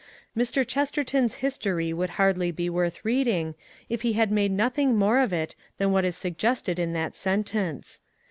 Mr. Chesterton's history would hardly be worth reading, if he had made nothing more of it than is suggested in that sentence.